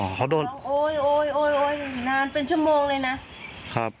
เขาโดนโอ๊ยชั่วโมงเลยนะ